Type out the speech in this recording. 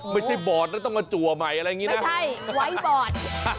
ไม่ใช่บอดแล้วต้องกระจั่วใหม่อะไรอย่างนี้นะไม่ใช่ไว้บอด